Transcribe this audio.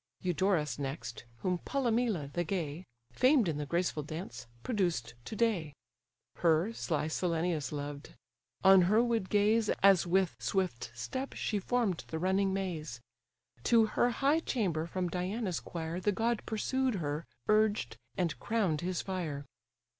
Eudorus next; whom Polymele the gay, Famed in the graceful dance, produced to day. Her, sly Cellenius loved: on her would gaze, As with swift step she form'd the running maze: To her high chamber from Diana's quire, The god pursued her, urged, and crown'd his fire.